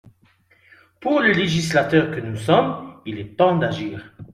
Pour le législateur que nous sommes, il est temps d’agir.